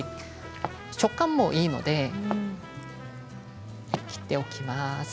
食感もいいので切っておきます。